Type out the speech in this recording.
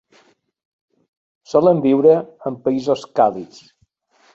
Solen viure en països càlids.